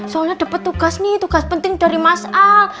soalnya dapet tugas nih tugas penting dari mas al